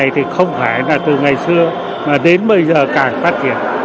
từ ngày xưa đến bây giờ càng phát triển